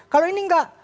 kalau ini enggak